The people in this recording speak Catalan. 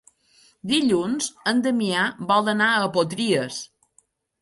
Dilluns en Damià vol anar a Potries.